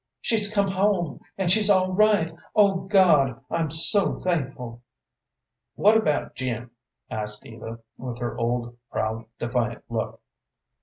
She's come home, and she's all right! O God, I'm so thankful!" "What about Jim?" asked Eva, with her old, proud, defiant look.